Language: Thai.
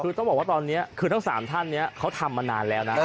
คือต้องบอกว่าตอนนี้คือทั้ง๓ท่านนี้เขาทำมานานแล้วนะ